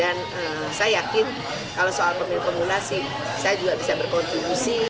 dan saya yakin kalau soal pemilih pemula sih saya juga bisa berkontribusi